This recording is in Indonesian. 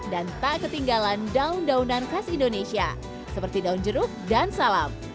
dan tak ketinggalan daun daunan khas indonesia seperti daun jeruk dan salam